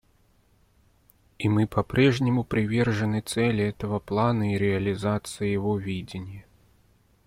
И мы по-прежнему привержены цели этого плана и реализации его видения.